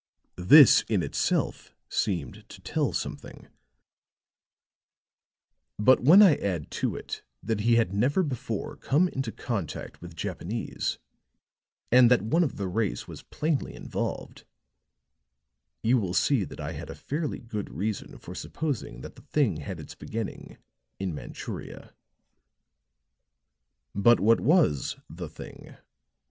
This in itself seemed to tell something; but when I add to it that he had never before come into contact with Japanese, and that one of the race was plainly involved, you will see that I had a fairly good reason for supposing that the thing had its beginning in Manchuria. "But what was the thing?